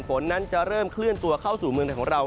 ฝนนั้นจะเริ่มเคลื่อนตัวเข้าสู่เมืองไทยของเรา